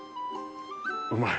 うまい。